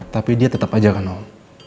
tapi dia tetap aja kan om